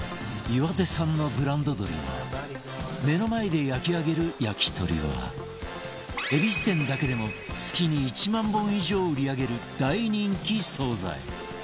岩手産のブランド鶏を目の前で焼き上げる焼き鳥は恵比寿店だけでも月に１万本以上売り上げる大人気惣菜